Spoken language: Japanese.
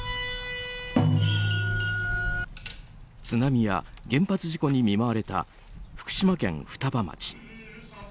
津波や原発事故に見舞われた福島県双葉町。